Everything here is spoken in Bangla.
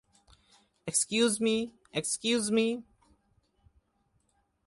Excuse me, excuse me.